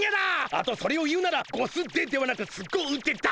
あとそれを言うなら「ゴスデ」ではなく「すご腕」だ！